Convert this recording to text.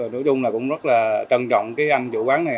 nói chung là cũng rất là trân trọng cái anh chủ quán này